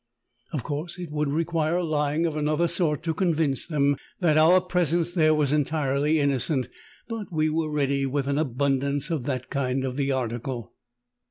Of course it would require lying of another sort to convince them that our presence there was entirely innocent, but we were ready with an abundance of that kind of the article.